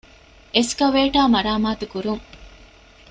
އެސްކަވޭޓަރ މަރާމާތުކުރުން